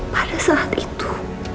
pada saat itu